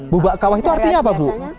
bubak kawah itu artinya apa bu